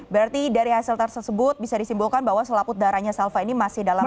berarti dari hasil tersebut bisa disimpulkan bahwa selaput darahnya salva ini masih dalam